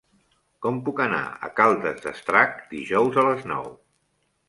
Com puc anar a Caldes d'Estrac dijous a les nou?